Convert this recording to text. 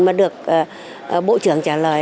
mà được bộ trưởng trả lời